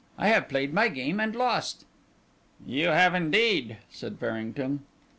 I have played my game and lost." "You have indeed," said Farrington.